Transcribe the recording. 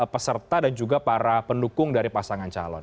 peserta dan juga para pendukung dari pasangan calon